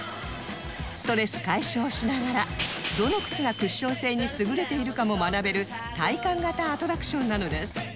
ストレス解消しながらどの靴がクッション性に優れているかも学べる体感型アトラクションなのです